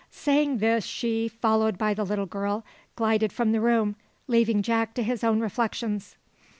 Saying this, she, followed by the little girl, glided from the room, leaving Jack to his own reflections.